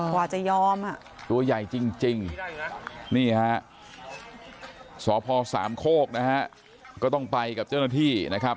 กว่าจะยอมฮะตัวใหญ่จริงจริงนี่ฮะสคก็ต้องไปกับเจ้าหน้าที่นะครับ